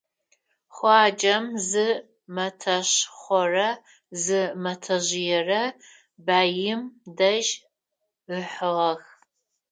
Хъуаджэм зы мэтэшхорэ зы мэтэжъыерэ баим дэжь ыхьыгъэх.